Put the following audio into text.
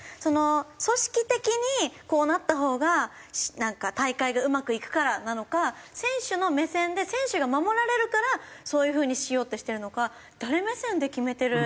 組織的にこうなったほうがなんか大会がうまくいくからなのか選手の目線で選手が守られるからそういう風にしようってしてるのか誰目線で決めてる。